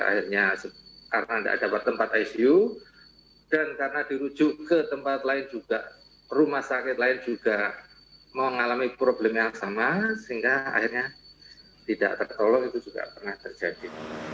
akhirnya karena tidak dapat tempat icu dan karena dirujuk ke tempat lain juga rumah sakit lain juga mengalami problem yang sama sehingga akhirnya tidak tertolong itu juga pernah terjadi